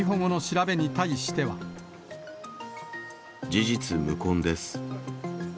事実無根です。